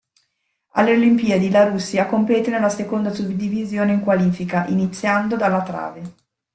Alle Olimpiadi, la Russia compete nella seconda suddivisione in qualifica, iniziando dalla trave.